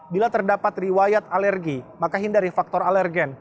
bila terdapat riwayat alergi maka hindari faktor alergen